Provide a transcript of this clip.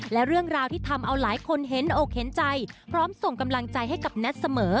และเรื่องราวที่ทำเอาหลายคนเห็นอกเห็นใจพร้อมส่งกำลังใจให้กับแท็ตเสมอ